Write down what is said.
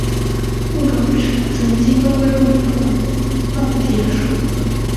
物种曾经都归入孔弄蝶属。